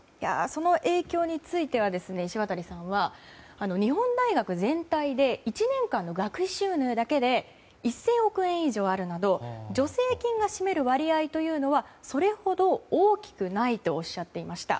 その影響については石渡さんは日本大学全体で１年間の学費収入だけで１０００億円以上あるなど助成金が占める割合はそれほど大きくないとおっしゃっていました。